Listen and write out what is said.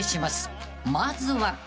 まずは］